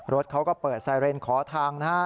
รถเขาก็เปิดไซเรนขอทางนะฮะ